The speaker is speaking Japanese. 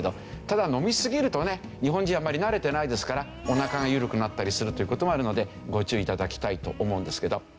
ただ飲み過ぎるとね日本人はあまり慣れてないですからお腹がゆるくなったりするという事もあるのでご注意頂きたいと思うんですけど。